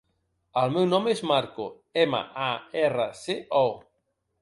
El meu nom és Marco: ema, a, erra, ce, o.